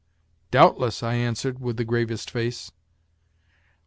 " Doubtless," I answered, with the gravest face.